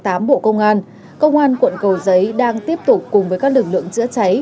đưa vào bệnh viện một mươi chín tháng tám bộ công an công an quận cầu giấy đang tiếp tục cùng với các lực lượng chữa cháy